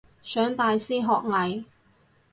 想拜師學藝